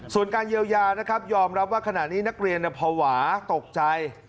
ส่วนการเยียวยานะครับยอมรับว่าขณะนี้นักเรียนภาวะตกใจ